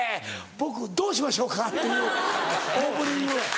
「僕どうしましょうか！」っていうオープニング。